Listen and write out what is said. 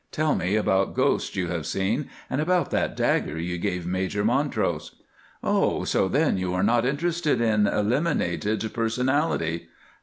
Tell me about ghosts you have seen, and about that dagger you gave Major Montrose." "Oh! so then you are not interested in eliminated personality?"